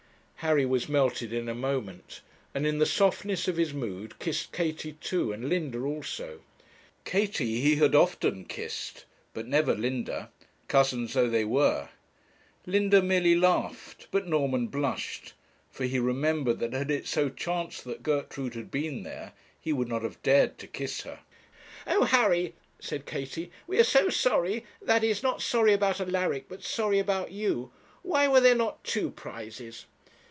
Harry was melted in a moment, and in the softness of his mood kissed Katie too, and Linda also. Katie he had often kissed, but never Linda, cousins though they were. Linda merely laughed, but Norman blushed; for he remembered that had it so chanced that Gertrude had been there, he would not have dared to kiss her. 'Oh, Harry,' said Katie, 'we are so sorry that is, not sorry about Alaric, but sorry about you. Why were there not two prizes?'